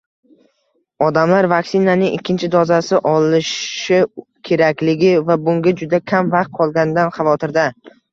Odamlar vaksinaning ikkinchi dozasi olishi kerakligi va bunga juda kam vaqt qolganidan xavotirda